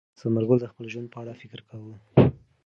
ثمر ګل د خپل ژوند په اړه فکر کاوه.